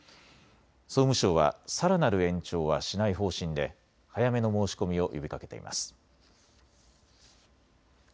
総務省はさらなる延長はしない方針で早めの申し込みを呼びかけています。